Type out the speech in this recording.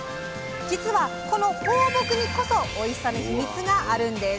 実はこの放牧にこそおいしさのヒミツがあるんです。